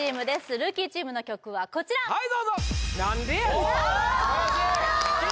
ルーキーチームの曲はこちらはいどうぞ何でやねん？